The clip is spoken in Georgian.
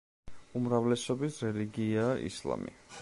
უმრავლესობის რელიგიაა ისლამი.